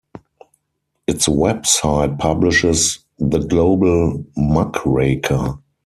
Its website publishes "The Global Muckraker".